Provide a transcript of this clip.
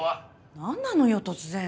なんなのよ突然。